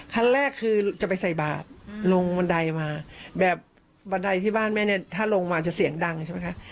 คันแรกคือจะไปใส่บาทลงบันไดมาแบบบันไดที่บ้านแม่เนี่ยถ้าลงมาจะเสียงดังใช่ไหมคะ